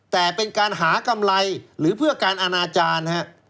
แต่เป็นการหากำไรหรือเพื่อการอนาจารย์